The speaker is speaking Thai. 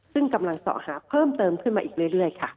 ซึ่งกำลังส่อหาเพิ่มเติมขึ้นมาอีกเรื่อยค่ะ